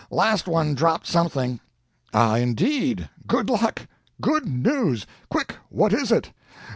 Las' one dropped something." "Ah, indeed! Good luck! Good news! Quick what is it?"